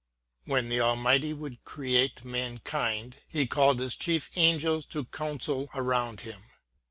When the Almighty would create Mankind, He called His chief angels to counsel around Him.